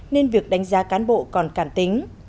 nên việc đánh giá cán bộ còn cản tính